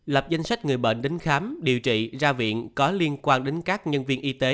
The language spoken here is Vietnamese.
lập danh sách người bệnh đến khám điều trị ra viện có liên quan đến các nhân viên y tế